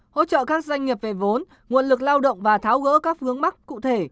hỗ trợ các doanh nghiệp về vốn nguồn lực lao động và tháo gỡ các hướng mắt cụ thể